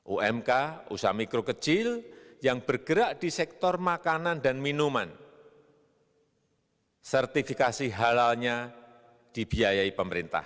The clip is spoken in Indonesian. umk usaha mikro kecil yang bergerak di sektor makanan dan minuman sertifikasi halalnya dibiayai pemerintah